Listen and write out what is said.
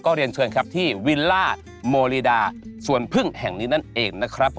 เรียนเชิญครับที่วิลล่าโมลีดาสวนพึ่งแห่งนี้นั่นเองนะครับ